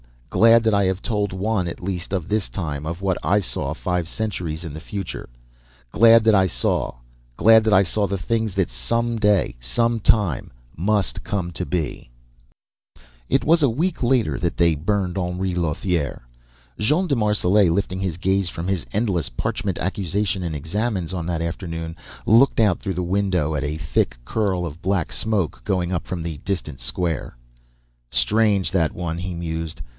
Glad that I have told one at least of this time of what I saw five centuries in the future. Glad that I saw! Glad that I saw the things that someday, sometime, must come to be "It was a week later that they burned Henri Lothiere. Jean de Marselait, lifting his gaze from his endless parchment accusation and examens on that afternoon, looked out through the window at a thick curl of black smoke going up from the distant square. "Strange, that one," he mused.